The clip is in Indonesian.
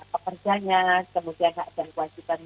pekerjanya kemudian hak dan kewajiban